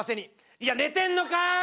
いや寝てんのかい！